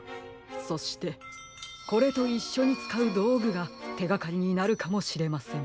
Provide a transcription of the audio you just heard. そしてこれといっしょにつかうどうぐがてがかりになるかもしれません。